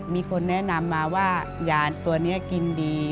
มีคนแนะนำมาว่ายาตัวนี้กินดี